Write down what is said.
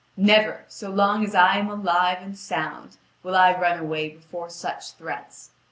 Never, so long as I am alive and sound, will I run away before such threats.